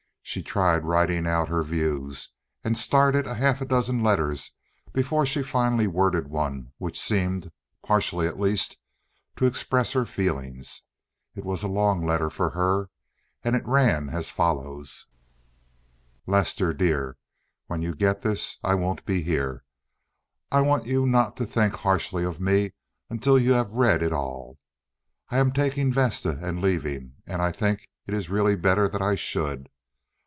She tried writing out her views, and started a half dozen letters before she finally worded one which seemed, partially at least, to express her feelings. It was a long letter for her, and it ran as follows: "Lester dear, When you get this I won't be here, and I want you not to think harshly of me until you have read it all. I am taking Vesta and leaving, and I think it is really better that I should.